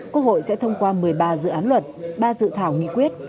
quốc hội sẽ thông qua một mươi ba dự án luật ba dự thảo nghị quyết